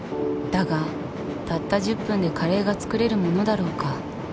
だがたった１０分でカレーが作れるものだろうか？